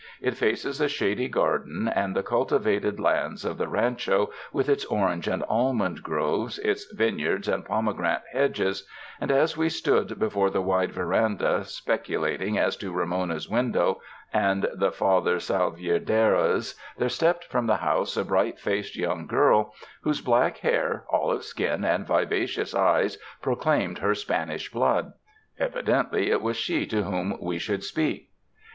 It faces a shady garden and the cultivated lands of the rancho with its orange and almond groves, its vineyards and pomegranate hedges; and as we stood before the wide veranda speculating as to Ramona's window and the Father Salvierderra's, 107 UNDER THE SKY IN CALIFORNIA there stepped from the house a bright faced young girl, whose black hair, olive skin and vivacious eyes proclaimed her Spanish blood. Evidently it was she to whom we should speak.